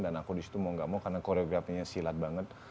dan saya disitu mau tidak mau karena koreografinya silat banget